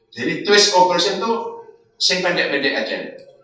jadi twist operation itu sing pendek pendek aja